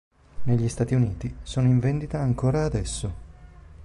Negli Stati Uniti sono in vendita ancora adesso.